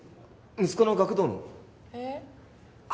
息子の学童のえっ？